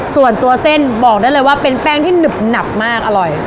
ส่วนตัวเส้นบอกได้เลยว่าเป็นแป้งที่หนึบหนับมากอร่อย